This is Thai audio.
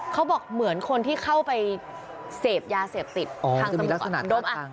เขาบอกเหมือนคนที่เข้าไปเสพยาเสพติดทางจมูกอ๋อจะมีลักษณะต่าง